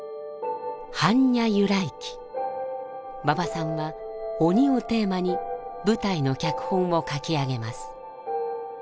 馬場さんは鬼をテーマに舞台の脚本を書き上げます。